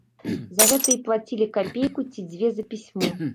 За гэта і плацілі капейку ці дзве за пісьмо.